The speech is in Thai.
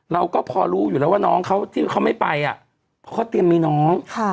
เราก็พอรู้อยู่แล้วว่าน้องที่ไม่ไปเขาเข้าเตรียมมีน้อง